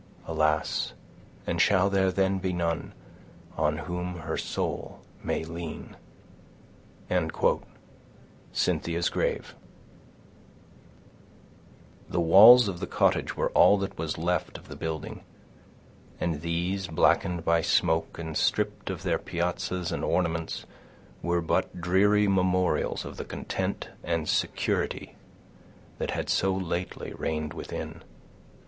Alas! and shall there then be none On whom her soul may lean? —Cynthia's Grave. The walls of the cottage were all that was left of the building; and these, blackened by smoke, and stripped of their piazzas and ornaments, were but dreary memorials of the content and security that had so lately reigned within.